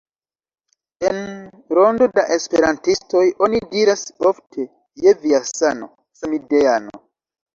En rondo da esperantistoj oni diras ofte "je via sano, samideano"